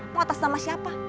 mau atas nama siapa